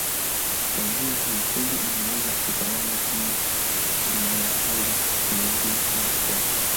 Kwa njia hii seli inaweza kutawala ni nini inayoweza kuingia au kutoka.